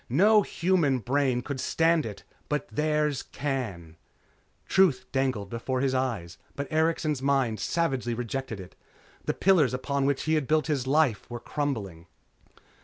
No human brain could stand it but theirs can." Truth dangled before his eyes, but Erikson's mind savagely rejected it. The pillars upon which he had built his life were crumbling....